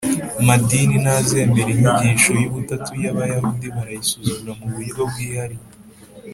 Madini ntazemera inyigisho y ubutatu yo abayahudi barayisuzugura mu buryo bwihariye